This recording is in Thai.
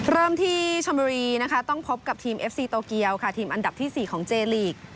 เริ่มที่ชมบุรีนะคะต้องพบกับทีมเอฟซีโตเกียวค่ะทีมอันดับที่๔ของเจลีก